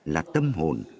là tâm hồn